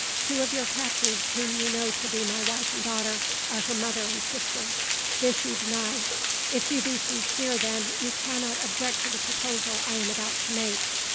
Two of your captives, whom you know to be my wife and daughter, are her mother and sister. This you deny. If you be sincere, then, you cannot object to the proposal I am about to make.